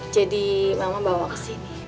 jadi mama bawa kesini